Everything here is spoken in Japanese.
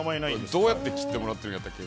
どうやって切ってもらってるんやっけ？